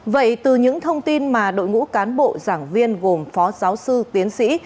vậy từ những thông tin mà đội ngũ cán bộ giảng viên gồm phó giáo sư tiến sĩ